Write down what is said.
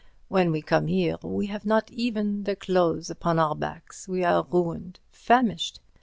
When we come here, we have not even the clothes upon our backs—we are ruined, famished.